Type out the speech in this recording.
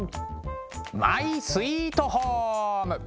マイスイートホーム！